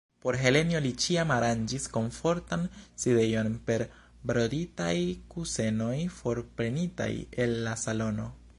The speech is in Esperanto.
Por Helenjo li ĉiam aranĝis komfortan sidejon per broditaj kusenoj forprenitaj el la salono.